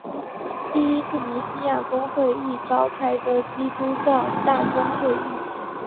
第一次尼西亚公会议召开的基督教大公会议。